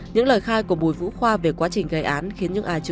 những lời khai của bùi vũ khoa về quá trình gây án khiến những ai chịu